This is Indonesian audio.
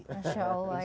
insya allah ya